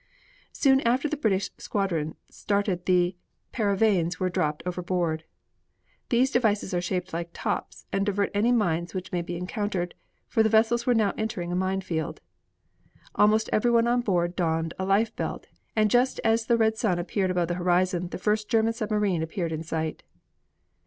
Soon after the British squadron started the "paravanes" were dropped overboard. These devices are shaped like tops and divert any mines which may be encountered, for the vessels were now entering a mine field. Almost everyone on board donned a life belt and just as the red sun appeared above the horizon the first German submarine appeared in sight.